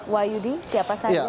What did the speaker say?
wahyudi siapa saja